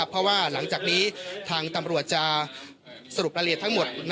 เพราะว่าหลังจากนี้ทางตำรวจจะสรุปรายละเอียดทั้งหมด